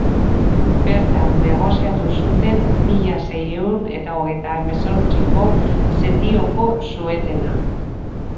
Bertan negoziatu zuten mila seiehun eta hogeita hemezortziko setioko suetena.